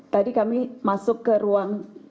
tadi kami masuk ke ruang